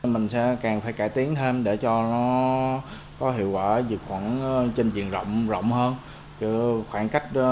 mình sẽ càng phải cải tiến thêm để cho nó có hiệu quả dịch khuẩn trên diện rộng hơn